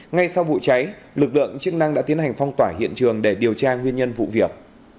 ngay sau vụ cháy lực lượng chức năng đã tiến hành phong tỏa hiện trường để điều tra nguyên nhân vụ việc